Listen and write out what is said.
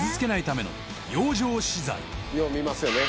よう見ますよね。